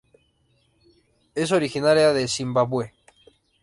Es originaria de Zimbabue.